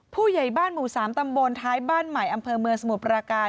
ผู้ใหญ่บ้านหมู่๓ตำบลท้ายบ้านใหม่อำเภอเมืองสมุทรปราการ